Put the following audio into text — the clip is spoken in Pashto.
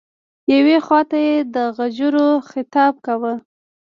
یوې خواته یې د غجرو خطاب کاوه.